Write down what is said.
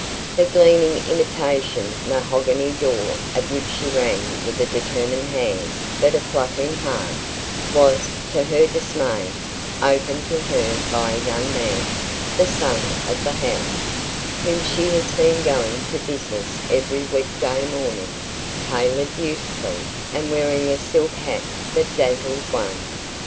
The gleaming imitation mahogany door at which she rang with a determined hand but a fluttering heart, was, to her dismay, opened to her by a young man the son of the house, whom she had seen going to business every week day morning, tailored beautifully, and wearing a silk hat that dazzled one.